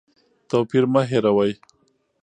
توپیر مه هېروئ.